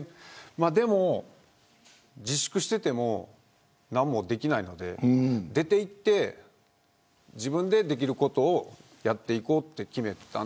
でも自粛してても何もできないので出ていって自分でできることをやっていこうと決めた。